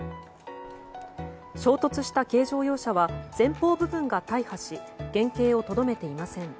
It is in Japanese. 衝突した軽乗用車は前方部分が大破し原形をとどめていません。